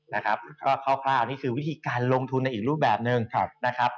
นะครับก็คร่าวนี่คือวิธีการลงทุนในอีกรูปแบบหนึ่งนะครับ